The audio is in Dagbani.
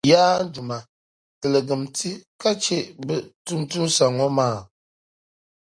Yaa n Duuma! Tilgimti ka chɛ bɛ tuuntumsa ŋɔ maa.